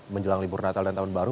menjelang libur natal dan tahun baru